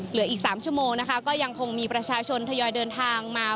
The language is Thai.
เหลืออีก๓ชมก็ยังคงมีประชาชนทยาย่อยเดินทางมา